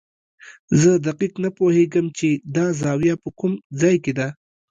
زه دقیق نه پوهېږم چې دا زاویه په کوم ځای کې ده.